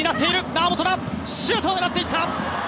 猶本がシュートを狙っていった！